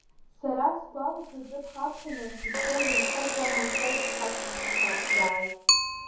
Сара исгәалашәоит, ҵыԥх аԥхынраз Пицунда инхо сан ланшьа иԥҳак дшаҳзааз.